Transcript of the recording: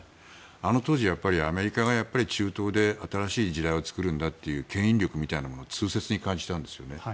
あの当時、アメリカが中東で新しい時代を作るんだという牽引力みたいなものを痛切に感じていますよね。